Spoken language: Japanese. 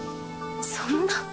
そんな。